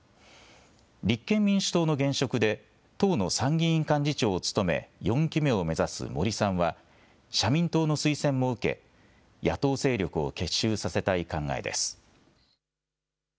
立憲民主党の現職で党の参議院幹事長を務め、４期目を目指す森さんは社民党の推薦も受け、野党勢力を結集させたい考えです。